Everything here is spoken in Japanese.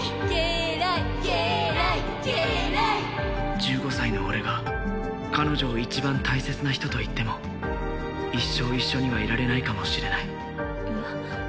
ケライケライ１５歳の俺が彼女を一番大切な人と言っても一生一緒にはいられないかもしれないえっ？